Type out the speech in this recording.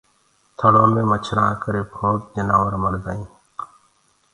ٿݪو مي مڇرآنٚ ڪري ڀوت جنآور مردآئينٚ